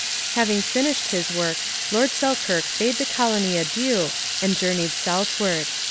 Having finished his work, Lord Selkirk bade the colony adieu and journeyed southward.